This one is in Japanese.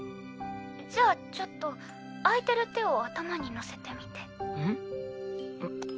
「じゃあちょっと空いてる手を頭にのせてみて」ん？